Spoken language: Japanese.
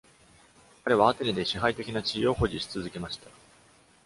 彼はアテネで支配的な地位を保持し続けました。